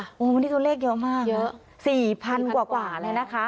ค่ะโอ้วันนี้ตัวเลขเยอะมากเยอะสี่พันกว่ากว่าเลยนะคะ